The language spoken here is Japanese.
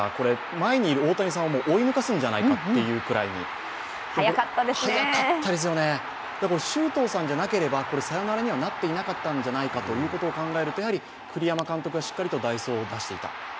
前にいる大谷さんを追い抜かすんじゃないかというぐらい速かったですよね、周東さんじゃなければサヨナラにはなっていなかったんじゃないかと考えるとやはり栗山監督はしっかり代走を出していた。